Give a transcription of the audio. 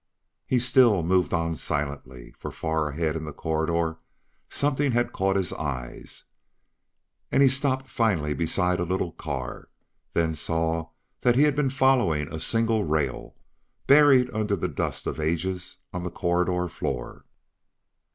He still moved on silently, for far ahead in the corridor something had caught his eyes. And he stopped finally beside a little car; then saw that he had been following a single rail, buried under the dust of ages on the corridor floor.